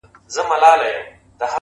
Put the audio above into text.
دې لېوني ماحول کي ووايه؛ پر چا مئين يم _